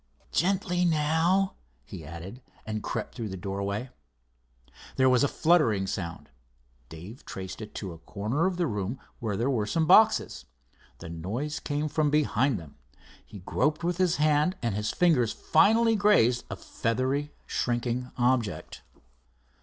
"Gently, now," he added and crept through the doorway. There was a fluttering sound. Dave traced it to a corner of the room where there were some boxes. The noise came from behind them. He groped with his hand, and his fingers finally grazed a feathery, shrinking object.